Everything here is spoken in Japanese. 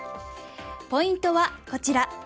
ポイントはこちら。